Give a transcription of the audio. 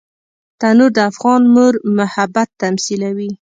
تنور د افغان مور محبت تمثیلوي